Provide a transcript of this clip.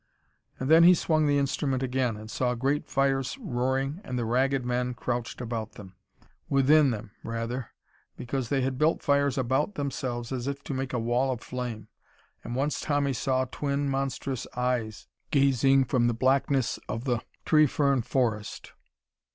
And then he swung the instrument again and saw great fires roaring and the Ragged Men crouched about them. Within them, rather, because they had built fires about themselves as if to make a wall of flame. And once Tommy saw twin, monstrous eyes, gazing from the blackness of the tree fern forest.